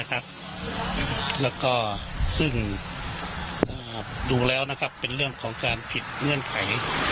แล้วก็ซึ่งดูแล้วเป็นเรื่องของการผิดเงื่อนไข